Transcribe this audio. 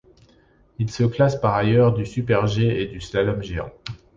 Il se classe par ailleurs du super G et du slalom géant.